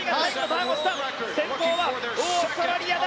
先頭はオーストラリアだ。